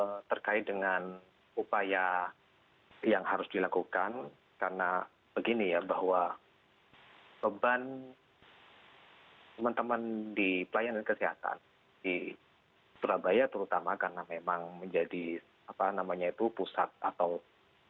terus yang kedua terkait dengan upaya yang harus dilakukan karena begini ya bahwa beban teman teman di pelayanan kesehatan di surabaya terutama karena memang menjadi pusat atau yang mewarnai dari covid sembilan belas di jawa timur ini